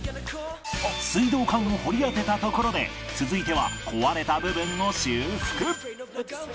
水道管を掘り当てたところで続いては壊れた部分を修復